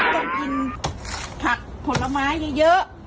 กล้องกินผักผักผลไม้เยอะ